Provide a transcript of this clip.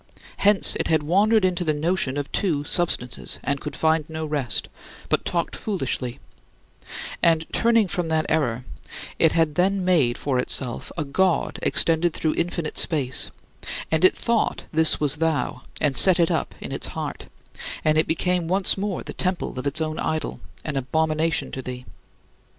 Hence it had wandered into the notion of two substances, and could find no rest, but talked foolishly, And turning from that error, it had then made for itself a god extended through infinite space; and it thought this was thou and set it up in its heart, and it became once more the temple of its own idol, an abomination to thee.